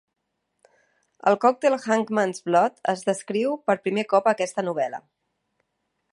El còctel Hangman's Blood es descriu per primer cop a aquesta novel·la.